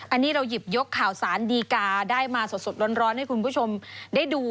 อันนี้เราหยิบยกข่าวสารดีกาได้มาสดร้อนให้คุณผู้ชมได้ดู